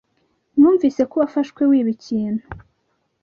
Numvise ko wafashwe wiba ikintu